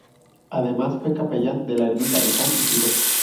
Además fue capellán de la ermita de San Isidro.